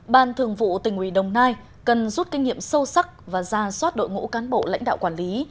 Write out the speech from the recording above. ban thường vụ tỉnh ủy đồng nai cần rút kinh nghiệm sâu sắc và ra soát đội ngũ cán bộ lãnh đạo quản lý